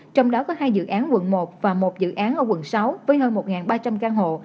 trong đó có hai dự án quận một và một dự án ở quận sáu với hơn một ba trăm linh căn hộ